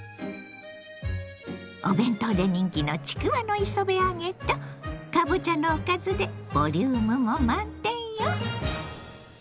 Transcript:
お弁当で人気のちくわの磯辺揚げとかぼちゃのおかずでボリュームも満点よ。